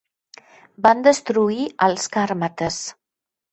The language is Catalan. Van destruir als càrmates.